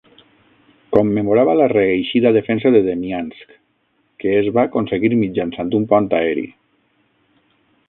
Commemorava la reeixida defensa de Demyansk, que es va aconseguir mitjançant un pont aeri.